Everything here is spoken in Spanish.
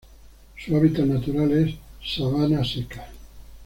Su hábitat natural es: sabana seca.